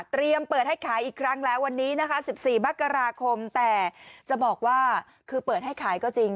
เปิดให้ขายอีกครั้งแล้ววันนี้นะคะ๑๔มกราคมแต่จะบอกว่าคือเปิดให้ขายก็จริง